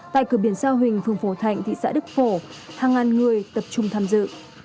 tại cửa biển sao huỳnh phường phổ thạnh thị xã đức phổ hàng ngàn người tập trung tham dự